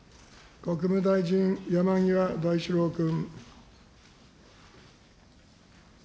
国務大臣、山際大志郎君。